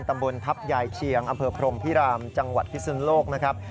ตำบลทัพยายเชียงอำเภอพรมพิรามจังหวัดพิสุนโลกนะครับ